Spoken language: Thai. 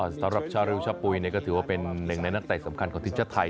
สำหรับชาริวชะปุ๋ยก็ถือว่าเป็นหนึ่งในนักเตะสำคัญของทีมชาติไทย